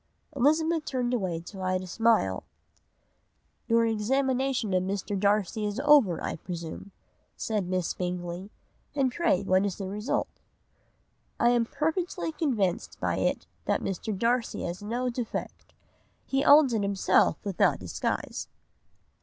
"Elizabeth turned away to hide a smile. "'Your examination of Mr. Darcy is over, I presume?' said Miss Bingley, 'and pray what is the result?' "'I am perfectly convinced by it that Mr. Darcy has no defect. He owns it himself without disguise.